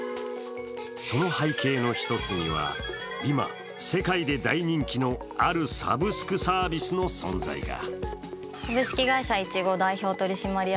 その背景の１つには、今、世界で大人気のあるサブスクサービスの存在が。